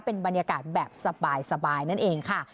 เป็นบรรยากาศแบบสบายนั่นเองค่ะ